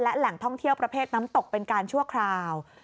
และแหล่งท่องเที่ยวประเภทน้ำตกเป็นการชั่วคราว